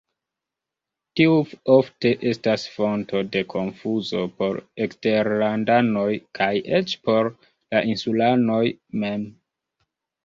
Tiu ofte estas fonto de konfuzo por eksterlandanoj, kaj eĉ por la insulanoj mem.